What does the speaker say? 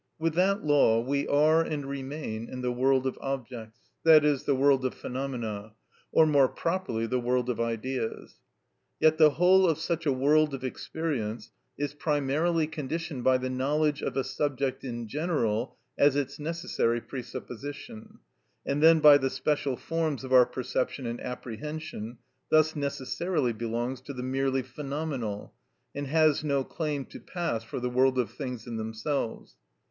With that law we are and remain in the world of objects, i.e., the world of phenomena, or more properly the world of ideas. Yet the whole of such a world of experience is primarily conditioned by the knowledge of a subject in general as its necessary presupposition, and then by the special forms of our perception and apprehension, thus necessarily belongs to the merely phenomenal, and has no claim to pass for the world of things in themselves.